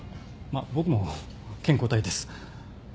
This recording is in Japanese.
まあ僕も健康体です。